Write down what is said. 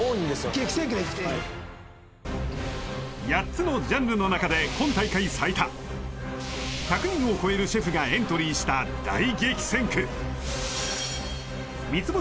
激戦区８つのジャンルの中で１００人を超えるシェフがエントリーした大激戦区三つ星